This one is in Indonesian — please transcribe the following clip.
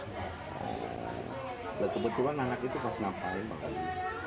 kalau kebetulan anak itu harus ngapain